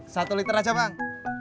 satu liter aja bang